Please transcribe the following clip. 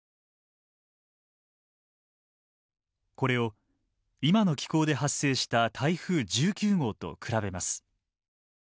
これを今の気候で発生した台風１９号と比べます。